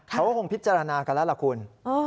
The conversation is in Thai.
เขาก็คงพิจารณากันแล้วล่ะคุณ